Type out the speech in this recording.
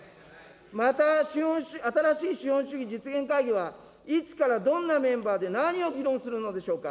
また、新しい資本主義実現会議はいつからどんなメンバーで、何を議論するのでしょうか。